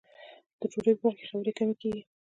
د ډوډۍ په وخت کې خبرې کمې کیږي.